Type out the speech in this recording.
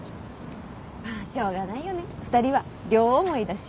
まあしょうがないよね２人は両思いだし。